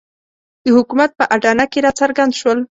د حکومت په اډانه کې راڅرګند شول.